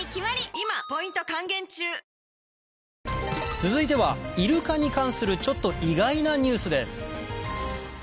続いてはイルカに関するちょっと意外なニュースです